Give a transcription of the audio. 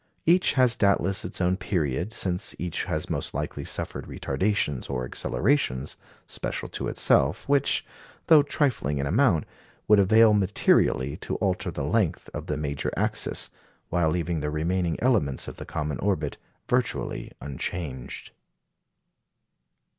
Each has doubtless its own period, since each has most likely suffered retardations or accelerations special to itself, which, though trifling in amount, would avail materially to alter the length of the major axis, while leaving the remaining elements of the common orbit virtually unchanged.